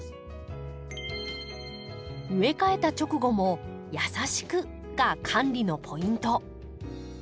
植え替えた直後も「優しく！」が管理のポイント。